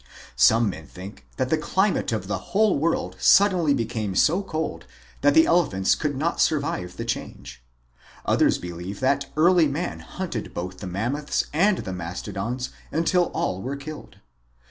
Some men think that the climate of the whole world suddenly became so cold that the elephants could not survive the change. Others believe that early man hunted both the Mammoths and the Mastodons until all were killed.